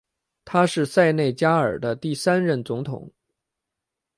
他是塞内加尔的第三任总统。